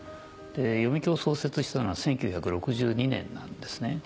読響を創設したのは１９６２年なんですね。